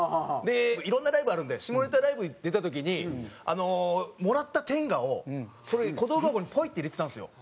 いろんなライブあるんで下ネタライブに出た時にもらったＴＥＮＧＡをそれ小道具箱にほいって入れてたんですよ。